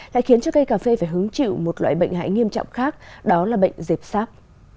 lại khiến cho cây cà phê phải hứng chịu một loại bệnh hại nghiêm trọng khác đó là bệnh dẹp sáp